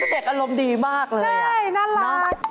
ตัวเจ็บอารมณ์ดีมากเลยค่ะน่ารักนะครับ